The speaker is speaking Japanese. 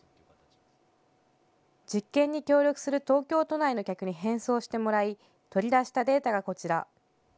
実験に協力する東京都内の客に返送してもらい取り出したデータがこちら。